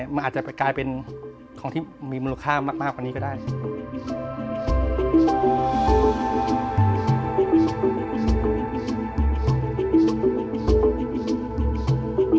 มันอาจจะไปกลายเป็นของที่มีมูลค่ามากกว่านี้ก็ได้